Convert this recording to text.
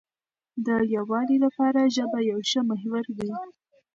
د یووالي لپاره ژبه یو ښه محور دی.